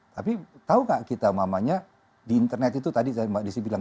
tapi tau gak kita umpamanya di internet itu tadi mbak disi bilang